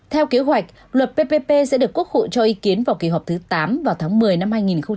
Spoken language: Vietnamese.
theo kế hoạch luật ppp sẽ được quốc hội cho ý kiến vào kỳ họp thứ tám vào tháng một mươi năm hai nghìn hai mươi